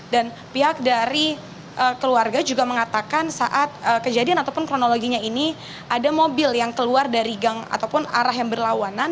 dan pihak dari keluarga juga mengatakan saat kejadian ataupun kronologinya ini ada mobil yang keluar dari gang ataupun arah yang berlawanan